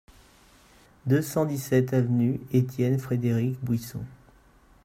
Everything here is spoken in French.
deux cent dix-sept avenue Étienne-Frédéric Bouisson